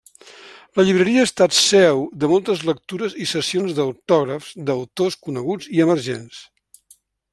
La llibreria ha estat seu de moltes lectures i sessions d'autògrafs d'autors coneguts i emergents.